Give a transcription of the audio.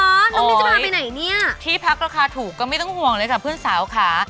น้องมิ้นจะพาไปไหนเนี่ยที่พักราคาถูกก็ไม่ต้องห่วงเลยค่ะเพื่อนสาวค่ะ